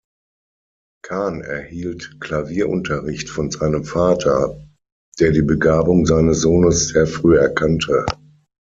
Kahn erhielt Klavierunterricht von seinem Vater, der die Begabung seines Sohnes sehr früh erkannte.